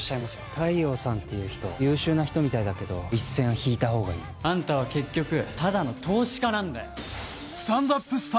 大陽さんっていう人優秀な人みたいだけどあんたは結局ただの投資家なんだよ。